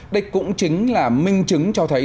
đây cũng chính là minh chứng cho thấy